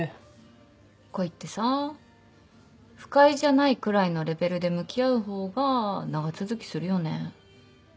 恋ってさ不快じゃないくらいのレベルで向き合う方が長続きするよね。